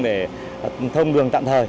để thông đường tạm thời